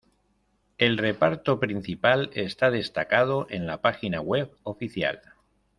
El reparto principal está destacado en la página web oficial.